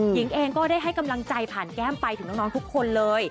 หญิงเองก็ได้ให้กำลังใจผ่านแก้มไปถึงน้องทุกคนเลย